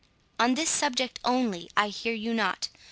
—on this subject only I hear you not.